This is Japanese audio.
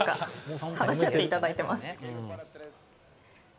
話し合っていただいてます。